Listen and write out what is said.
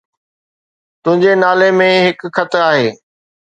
تنهنجي نالي ۾ هڪ خط آهي